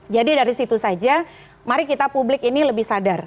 jadi dari situ saja mari kita publik ini lebih sadar